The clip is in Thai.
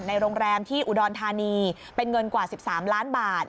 โรงแรมที่อุดรธานีเป็นเงินกว่า๑๓ล้านบาท